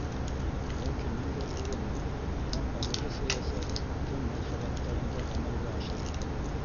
Ләкин ниндәй урын ул, һәм әлеге сәйәсәт кем мәнфәғәттәрендә ғәмәлгә ашырыла?